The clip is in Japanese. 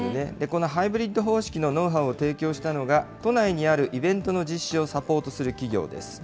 このハイブリッド方式のノウハウを提供したのが、都内にあるイベントの実施をサポートする企業です。